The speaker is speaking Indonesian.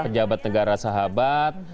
pejabat negara sahabat